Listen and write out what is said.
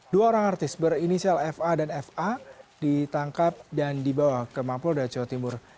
dua orang artis berinisial fa dan fa ditangkap dan dibawa ke mapolda jawa timur